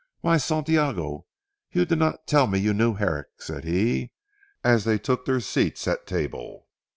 "Why, Santiago you did not tell me you knew Herrick!" said he, as they took their seats at table.